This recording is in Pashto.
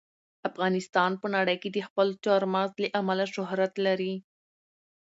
افغانستان په نړۍ کې د خپلو چار مغز له امله شهرت لري.